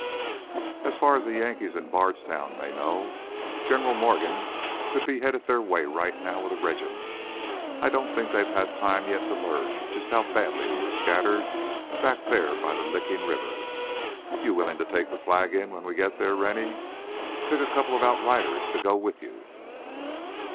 "As far as the Yankees in Bardstown may know, General Morgan could be headed their way right now with a regiment. I don't think they've had time yet to learn just how badly we were scattered back there by the Licking River. You willing to take the flag in when we get there, Rennie? Pick a couple of outriders to go with you!"